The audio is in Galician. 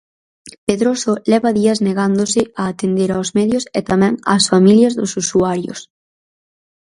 Pedroso leva días negándose a atender aos medios e tamén ás familias dos usuarios.